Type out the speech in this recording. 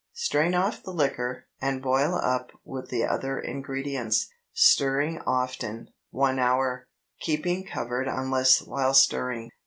Strain off the liquor, and boil up with the other ingredients, stirring often, one hour, keeping covered unless while stirring.